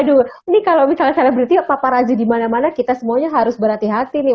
aduh ini kalau misalnya berarti papa razi dimana mana kita semuanya harus berhati hati nih